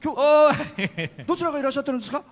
どちらからいらっしゃってるんですか？